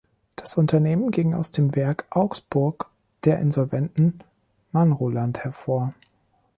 Das Unternehmen ging aus dem Werk Augsburg der insolventen manroland hervor.